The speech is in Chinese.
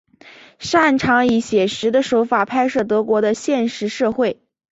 擅长以写实的手法拍摄德国的现实社会。